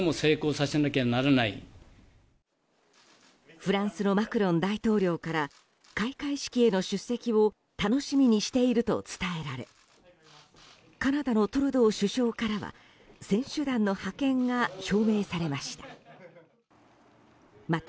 フランスのマクロン大統領から開会式への出席を楽しみにしていると伝えられカナダのトルドー首相からは選手団の派遣が表明されました。